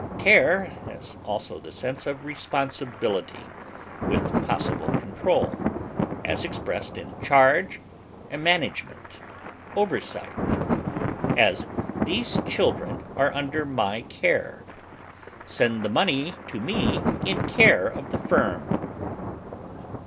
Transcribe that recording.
Care has also the sense of responsibility, with possible control, as expressed in charge, management, oversight; as, these children are under my care; send the money to me in care of the firm.